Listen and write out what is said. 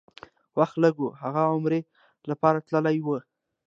وخت لږ و، هغه عمرې لپاره تللی و.